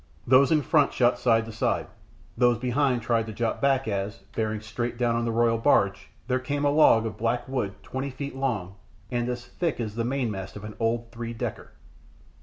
Those in front shot side to side, those behind tried to drop back as, bearing straight down on the royal barge, there came a log of black wood twenty feet long and as thick as the mainmast of an old three decker.